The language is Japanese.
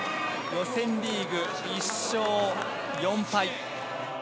予選リーグ１勝４敗。